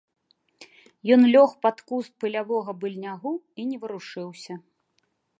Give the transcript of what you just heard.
Ён лёг пад куст палявога быльнягу і не варушыўся.